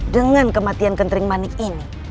dengan kematian kentring manik ini